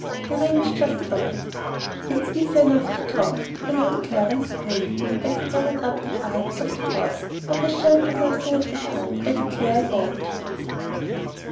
the rain is just stopping." "It's easy enough to talk," remarked Clarence, gloomily, as he gathered up the bridles of the horses; "but I shall do nothing of the kind. I declare I won't!"